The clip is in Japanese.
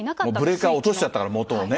ブレーカーを落としちゃってたからね、もとをね。